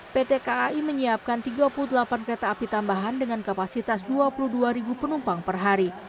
pt kai menyiapkan tiga puluh delapan kereta api tambahan dengan kapasitas dua puluh dua penumpang per hari